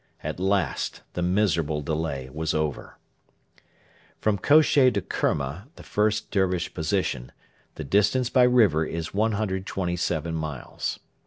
At last the miserable delay was over. From Kosheh to Kerma, the first Dervish position, the distance by river is 127 miles.